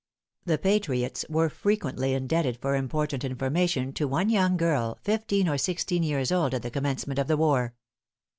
The patriots were frequently indebted for important information to one young girl, fifteen or sixteen years old at the commencement of the war.